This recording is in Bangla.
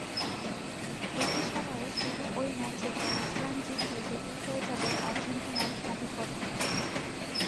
একই সময়ে শুরু ওই ম্যাচে আইসল্যান্ড জিতলেই জটিল হয়ে যাবে আর্জেন্টিনার সমীকরণ।